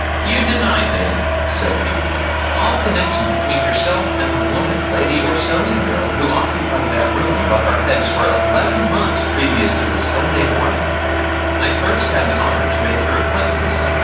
"You deny then," said he, "all connection between yourself and the woman, lady or sewing girl, who occupied that room above our heads for eleven months previous to the Sunday morning I first had the honor to make your acquaintance."